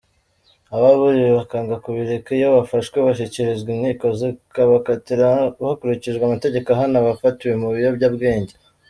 Ababuriwe bakanga kubireka iyo bafashwe bashyikirizwa inkiko zikabakatira hakurikijwe amategeko ahana abafatiwe mu biyobyabwenge.